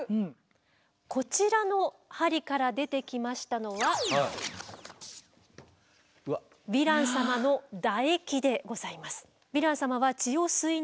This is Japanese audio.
こちらの針から出てきましたのはヴィラン様の唾液でございます。